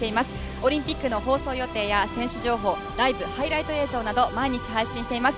オリンピックの放送予定や選手情報ライブ、ハイライト映像など毎日配信しています。